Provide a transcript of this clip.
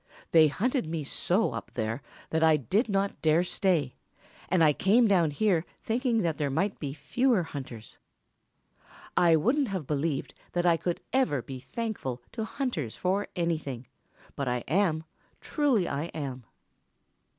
They hunted me so up there that I did not dare stay, and I came down here thinking that there might be fewer hunters. I wouldn't have believed that I could ever be thankful to hunters for anything, but I am, truly I am."